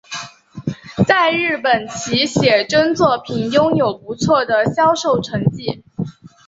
在日本其写真作品拥有不错的销售成绩。